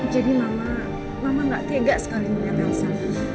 jadi mama mama tidak tega sekali melihat elsa